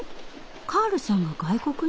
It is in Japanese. カールさんが外国に？